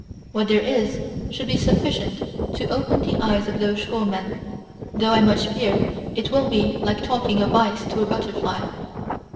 What there is, should be suffi cient to open the eyes of those schoolmen, though I much fear it will be like talking of ice to a butterfly.